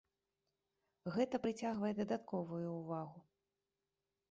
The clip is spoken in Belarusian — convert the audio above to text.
Гэта прыцягвае дадатковую ўвагу.